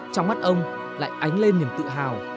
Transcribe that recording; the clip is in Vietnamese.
trong mắt ông lại ánh lên niềm tự hào